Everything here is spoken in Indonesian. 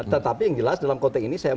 tetapi yang jelas dalam konteks ini saya